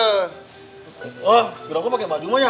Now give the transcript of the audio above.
oh gilak gue pake baju mba ya